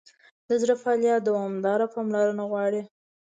د زړه فعالیت دوامداره پاملرنه غواړي.